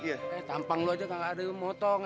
eh tampang lo aja gak ada yang mau potong